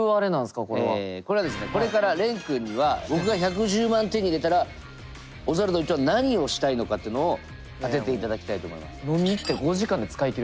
これはですねこれから廉君には僕が１１０万手に入れたらオズワルド伊藤は何をしたいのかってのを当てていただきたいと思います。